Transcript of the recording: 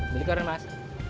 beli koran mas